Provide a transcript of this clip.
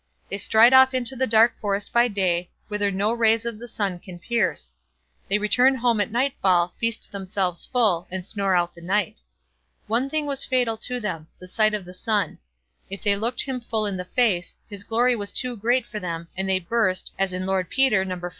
They stride off into the dark forest by day, whither no rays of the sun can pierce; they return home at nightfall, feast themselves full, and snore out the night. One thing was fatal to them—the sight of the sun. If they looked him full in the face, his glory was too great for them, and they burst, as in "Lord Peter", No.